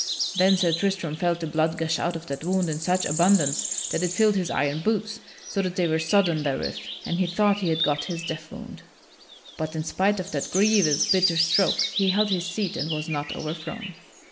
Then Sir Tristram felt the blood gush out of that wound in such abundance that it filled his iron boots, so that they were sodden therewith, and he thought he had got his death wound. But in spite of that grievous bitter stroke, he held his seat and was not overthrown.